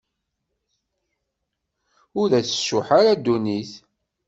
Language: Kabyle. Ur as-tcuḥḥ ara ddunit.